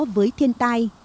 với thiên tai